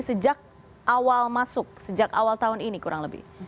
sejak awal masuk sejak awal tahun ini kurang lebih